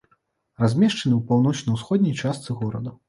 Размешчаны ў паўночна-ўсходняй частцы горада.